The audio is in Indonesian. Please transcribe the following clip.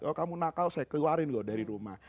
oh kamu nakal saya keluarin loh dari rumah